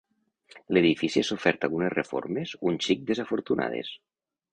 L'edifici ha sofert algunes reformes un xic desafortunades.